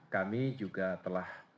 kami juga telah